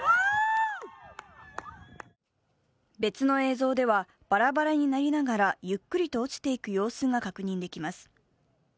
別の映像ではバラバラになりながらゆっくりと落ちていく様子が確認できます。